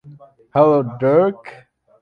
Hello, dark.